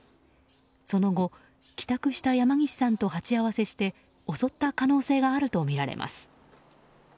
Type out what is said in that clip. その後帰宅した山岸さんと鉢合わせして襲った可能性があるとみられます。